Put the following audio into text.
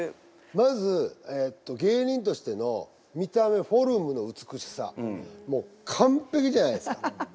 まず芸人としての見た目フォルムの美しさもう完璧じゃないですか。